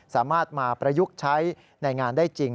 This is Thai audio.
สามารถมาประยุกต์ใช้ในงานได้จริง